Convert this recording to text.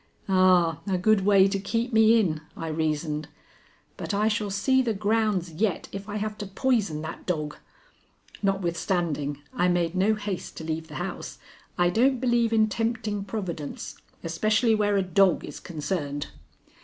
"Ah, a good way to keep me in," I reasoned. "But I shall see the grounds yet if I have to poison that dog." Notwithstanding, I made no haste to leave the house. I don't believe in tempting Providence, especially where a dog is concerned.